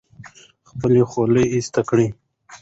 خپله خولۍ ایسته کړه.